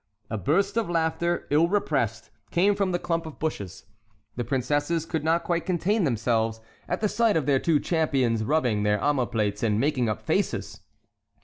A burst of laughter, ill repressed, came from the clump of bushes. The princesses could not quite contain themselves at the sight of their two champions rubbing their omoplates and making up faces.